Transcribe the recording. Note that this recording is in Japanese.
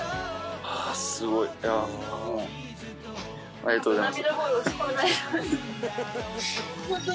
ありがとうございます。